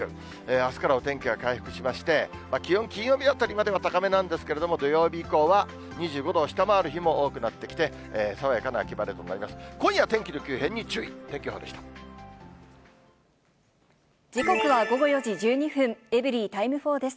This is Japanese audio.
あすからお天気は回復しまして、気温、金曜日あたりまでは高めなんですけれども、土曜日以降は、２５度を下回る日も多くなってきて、爽やかな秋晴れとなります。